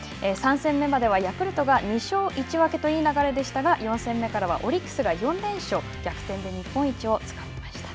３戦目まではヤクルトが２勝１分けといいながらいい流れでしたが４戦目からはオリックスが４連勝、逆転で日本一をつかみました。